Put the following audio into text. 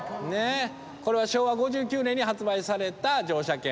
これは昭和５９年に発売された乗車券。